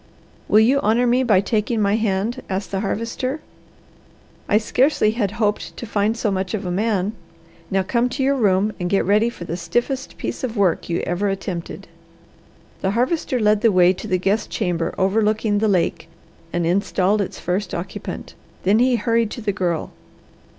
"Will you honour me by taking my hand?" asked the Harvester. "I scarcely had hoped to find so much of a man. Now come to your room and get ready for the stiffest piece of work you ever attempted." The Harvester led the way to the guest chamber over looking the lake, and installed its first occupant. Then he hurried to the Girl.